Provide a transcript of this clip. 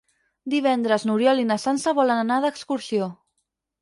Divendres n'Oriol i na Sança volen anar d'excursió.